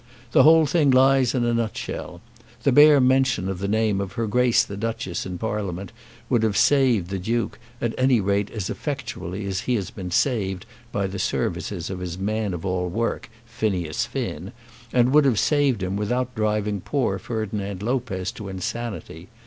The whole thing lies in a nutshell. The bare mention of the name of her Grace the Duchess in Parliament would have saved the Duke, at any rate as effectually as he has been saved by the services of his man of all work, Phineas Finn, and would have saved him without driving poor Ferdinand Lopez to insanity.